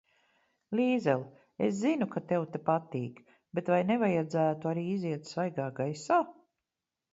Līzel, es zinu, ka tev te patīk, bet vai nevajadzētu arī iziet svaigā gaisā?